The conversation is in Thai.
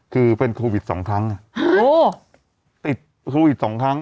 คือเป็นโควิดสองครั้งติดโควิดสองครั้ง